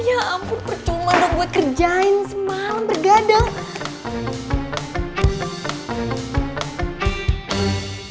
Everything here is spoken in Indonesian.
ya ampun percuma dok buat kerjain semalam bergadang